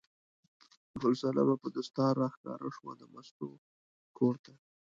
ګل صنمه په دستار راښکاره شوه د مستو کور ته.